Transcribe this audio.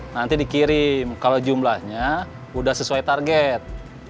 nanti dikirim kalau jumlahnya sudah sesuai target